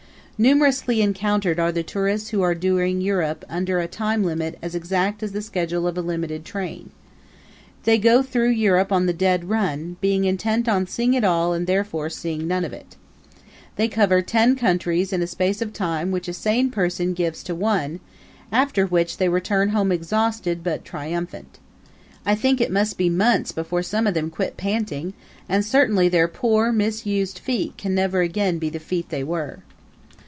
Numerously encountered are the tourists who are doing Europe under a time limit as exact as the schedule of a limited train. They go through Europe on the dead run, being intent on seeing it all and therefore seeing none of it. They cover ten countries in a space of time which a sane person gives to one; after which they return home exhausted, but triumphant. I think it must be months before some of them quit panting, and certainly their poor, misused feet can never again be the feet they were.